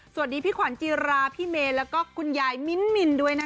สวัสดีพี่ขวัญจีราพี่เมแล้วก็คุณยายมินด้วยนะคะ